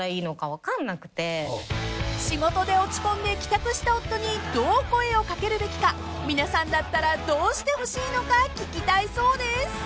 ［仕事で落ち込んで帰宅した夫にどう声を掛けるべきか皆さんだったらどうしてほしいのか聞きたいそうです］